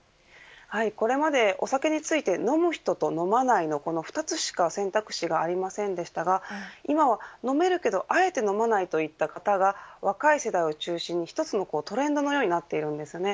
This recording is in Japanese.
これまでお酒について飲む人と飲まない人のこの２つしか選択肢がありませんでしたが今は飲めるけどあえて飲まないといった方が若い世代を中心に一つのトレンドになっています。